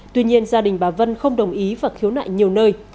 tuy nhiên gia đình bà vân không đồng ý và khiếu nại nhiều nơi